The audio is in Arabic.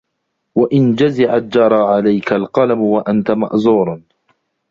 وَإِنْ جَزِعْتَ جَرَى عَلَيْك الْقَلَمُ وَأَنْتَ مَأْزُورٌ